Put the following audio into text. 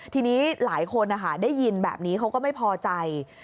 ทีนี้หลายคนได้ยินแบบนี้เขาก็ไม่พอใจ